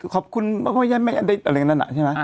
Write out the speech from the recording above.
ขอบคุณเมื่อก่อนใยอะไรแหละนะใช่ไหม